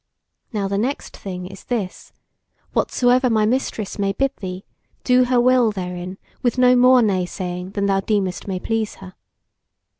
Now the next thing is this: whatsoever my Mistress may bid thee, do her will therein with no more nay saying than thou deemest may please her.